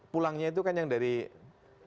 pulangnya itu kan yang dari jabodetabek kan bisa keluar